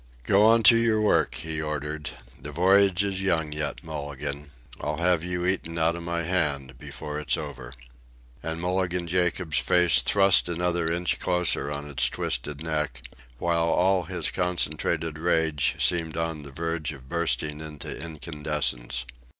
"Go on to your work," he ordered. "The voyage is young yet, Mulligan. I'll have you eatin' outa my hand before it's over." And Mulligan Jacobs's face thrust another inch closer on its twisted neck, while all his concentrated rage seemed on the verge of bursting into incandescence.